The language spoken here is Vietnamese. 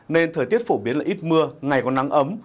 nên thời tiết phổ biến là ít mưa ngày còn nắng ấm